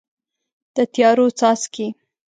د تیارو څاڅکي